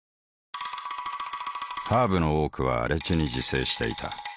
ハーブの多くは荒地に自生していた。